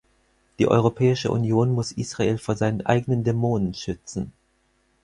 Die Europäische Union muss Israel vor seinen eigenen Dämonen schützen.